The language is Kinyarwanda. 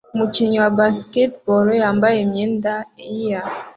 Umukinnyi wa Basketball yambaye imyenda year